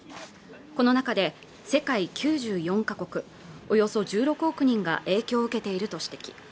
この中で世界９４カ国およそ１６億人が影響を受けていると指摘